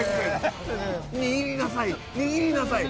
握りなさいよ！